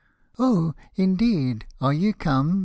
" Oh, indeed ! are ye come